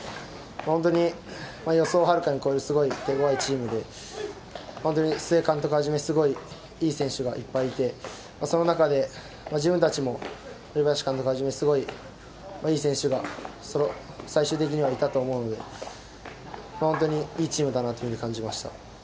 本当に予想をはるかに超えるすごい手ごわいチームで、本当に須江監督はじめ、すごいいい選手がいっぱいいて、その中で自分たちも森林監督はじめ、すごいいい選手が最終的にはいたと思うので、本当にいいチームだなというふうに感じました。